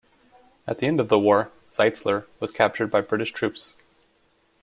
At the end of the war, Zeitzler was captured by British troops.